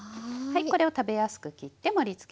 これを食べやすく切って盛りつけます。